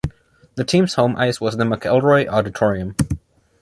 The team's home ice was the McElroy Auditorium.